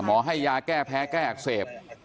ให้ยาแก้แพ้แก้อักเสบ